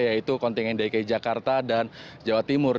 yaitu kontingen dki jakarta dan jawa timur